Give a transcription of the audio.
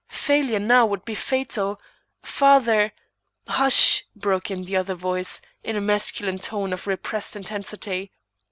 Failure now would be fatal. Father " "Hush!" broke in the other voice, in a masculine tone of repressed intensity.